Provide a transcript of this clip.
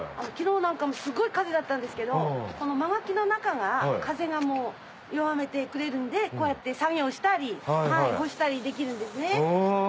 昨日なんかもすごい風だったんですけどこの間垣の中が風を弱めてくれるんでこうやって作業したり干したりできるんですね。